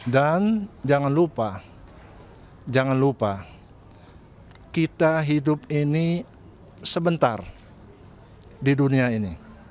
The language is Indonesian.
dan jangan lupa jangan lupa kita hidup ini sebentar di dunia ini